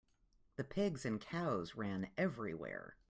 The pigs and cows ran everywhere.